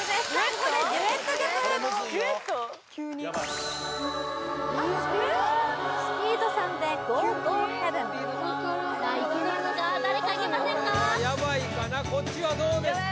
これはやばいかなこっちはどうですか？